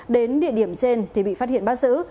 đến địa điểm trên thì bị phát hiện bắt giữ